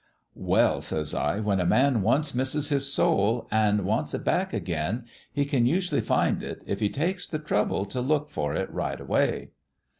"* Well/ says I, * when a man once misses his soul, an' wants it back again, he can usually find it, if he takes the trouble t' look for it right away.'